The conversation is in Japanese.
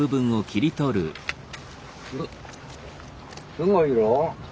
すごいよ。